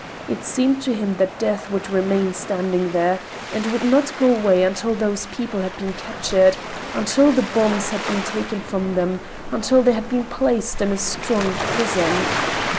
It seemed to him that Death would remain standing there, and would not go away until those people had been captured, until the bombs had been taken from them, until they had been placed in a strong prison.